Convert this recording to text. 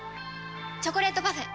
チョコレートパフェ。